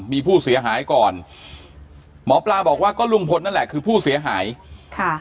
มีผู้เสียหายก่อนหมอปลาบอกว่าก็ลุงพลนั่นแหละคือผู้เสียหายค่ะ